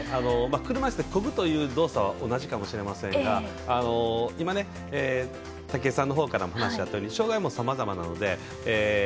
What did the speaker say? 車いすでこぐという動作は同じかもしれませんが今、武井さんからもあったように障がいもさまざまなので。